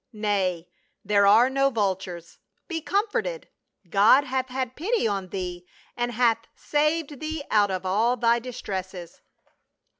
" Nay, there are no vultures. Be comforted. God hath had pity on thee and hath saved thee out of all thy distresses.